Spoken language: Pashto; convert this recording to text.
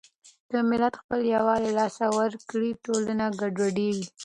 که ملت خپل يووالی له لاسه ورکړي، ټولنه ګډوډېږي.